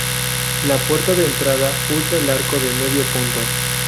La puerta de entrada usa el arco de medio punto.